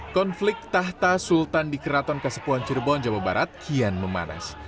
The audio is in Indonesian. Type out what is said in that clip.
konflik tahta sultan di keraton kasepuan cirebon jawa barat kian memanas